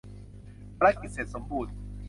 ภารกิจเสร็จสมบูรณ์ !